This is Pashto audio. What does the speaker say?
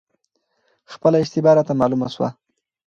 خپله اشتباه راته معلومه شوه،